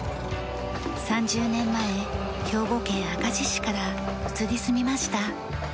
３０年前兵庫県明石市から移り住みました。